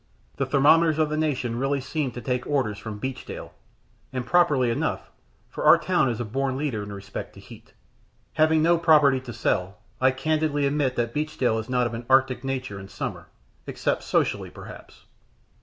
The thermometers of the nation really seemed to take orders from Beachdale, and properly enough, for our town is a born leader in respect to heat. Having no property to sell, I candidly admit that Beachdale is not of an arctic nature in summer, except socially, perhaps.